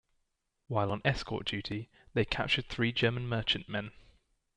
While on escort duty they captured three German merchantmen.